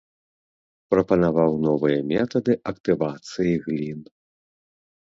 Прапанаваў новыя метады актывацыі глін.